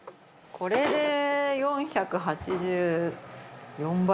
これで４８０。